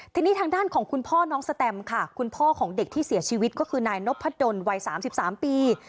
ทีนี้ทางด้านของคุณพ่อน้องสแตมค่ะคุณพ่อของเด็กที่เสียชีวิตก็คือนายนพดลวัย๓๓ปี